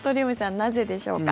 なぜでしょうか。